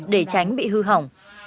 để tránh bị hư hỏng